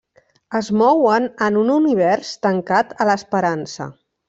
Es mouen en un univers tancat a l'esperança.